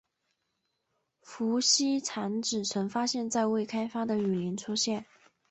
孵溪蟾只曾发现在未开发的雨林出现。